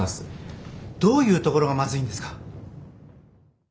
どういうところがまずいんですか。